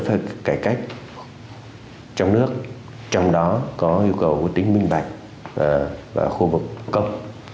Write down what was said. phải cải cách trong nước trong đó có yêu cầu tính minh bạch và khu vực công